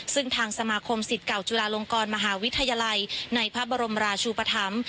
ซึ่งทางสมาคมสิทธิ์เก่าจุฬาลงกรมหาวิทยาลัยในพระบรมราชูปธรรม